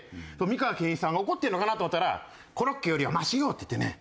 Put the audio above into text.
美川憲一さんが怒ってるのかな？と思ったら「コロッケよりはマシよ」って言ってね